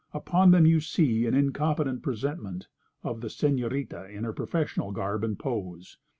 Upon them you see an incompetent presentment of the señorita in her professional garb and pose.